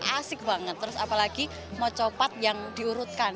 asik banget terus apalagi mocopad yang diurutkan